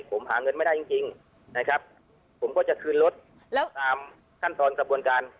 ผมหาเงินไม่ได้จริงจริงนะครับผมก็จะคืนรถแล้วตามขั้นตอนกระบวนการ